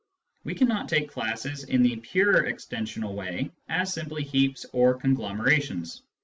We cannot take classes in the pure extensional way as simply heaps or conglomerations.